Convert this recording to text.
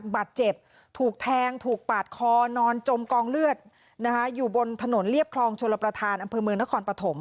บาดเจ็บถูกแทงถูกปาดคอนอนจมกองเลือดนะคะอยู่บนถนนเรียบคลองชลประธานอำเภอเมืองนครปฐม